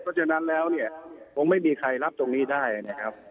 เพราะฉะนั้นแล้วเนี่ยคงไม่มีใครรับตรงนี้ได้นะครับ